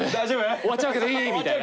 終わっちゃうけどいい？みたいな。